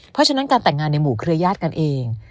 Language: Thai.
เพราะฉะนั้นการแต่งงานในหมู่เครือญาติกันเอง